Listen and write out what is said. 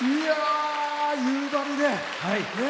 夕張で。